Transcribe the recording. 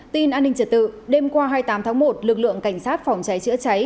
tin an ninh trật tự đêm qua hai mươi tám tháng một lực lượng cảnh sát phòng cháy chữa cháy